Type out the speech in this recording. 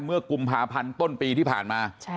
เมื่อกุมภาพันธ์ต้นปีที่ผ่านมา